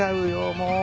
もう。